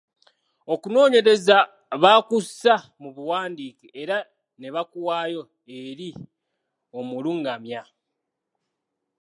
Okunoonyereza baakussa mubuwandiike era nebakuwaayo eri omulungamya.